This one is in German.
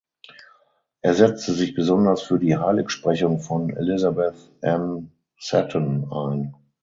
Er setzte sich besonders für die Heiligsprechung von Elizabeth Ann Seton ein.